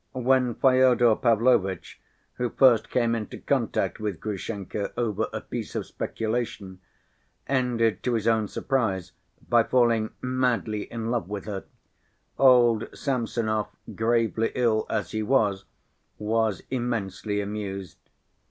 When Fyodor Pavlovitch, who first came into contact with Grushenka over a piece of speculation, ended to his own surprise by falling madly in love with her, old Samsonov, gravely ill as he was, was immensely amused.